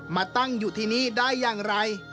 มาตั้งอยู่ที่นี้ได้อย่างไร